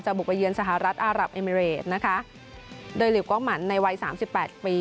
บุกไปเยือนสหรัฐอารับเอมิเรดนะคะโดยหลิวกล้องหมันในวัยสามสิบแปดปี